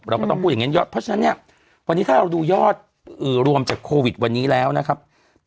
เราก็ต้องพูดอย่างนั้นยอดเพราะฉะนั้นเนี่ยวันนี้ถ้าเราดูยอดรวมจากโควิดวันนี้แล้วนะครับ